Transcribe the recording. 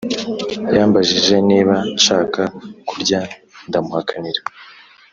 yambajije niba nshaka kurya ndamuhakanira